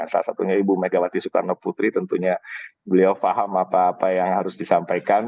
salah satunya ibu megawati soekarno putri tentunya beliau paham apa apa yang harus disampaikan